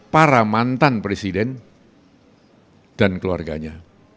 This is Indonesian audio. para mantan presiden dan keluarganya